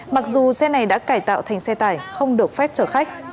mặc dù xe này đã cải tạo thành xe tải không được phép chở khách